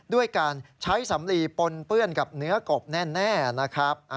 ด้วยการใช้สำลีปนเปื้อนกับเนื้อกบแน่นะครับ